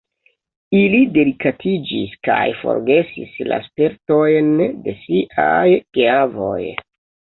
Ili delikatiĝis kaj forgesis la spertojn de siaj geavoj.